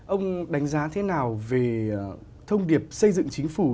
ông đánh giá thế nào về thông điệp xây dựng chính phủ